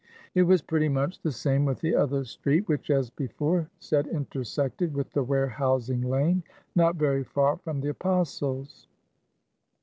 It was pretty much the same with the other street, which, as before said, intersected with the warehousing lane, not very far from the Apostles'.